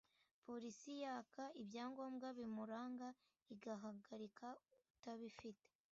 Polisi yaka ibyangombwa bimuranga igahagarika utabifite